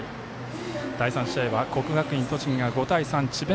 第３試合は国学院栃木が５対３智弁